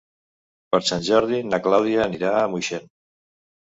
Per Sant Jordi na Clàudia anirà a Moixent.